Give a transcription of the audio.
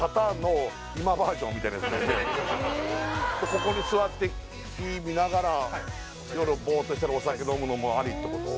ここに座って火見ながら夜ボーッとしたりお酒飲むのもありってこと？